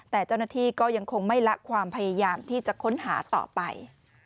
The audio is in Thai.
แต่เจ้าหน้าที่ก็ยังคงไม่ละความพยายามที่จะค้นหาต่อไป